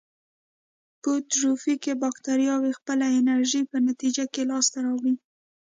فوتوټروفیک باکتریاوې خپله انرژي په نتیجه کې لاس ته راوړي.